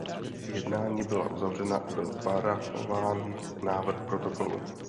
Jednání byla uzavřena a byl parafován návrh protokolu.